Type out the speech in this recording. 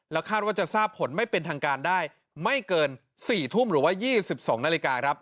คาดว่าจะทราบผลไม่เป็นทางการได้ไม่เกิน๔ทุ่มหรือว่า๒๒นาฬิกาครับ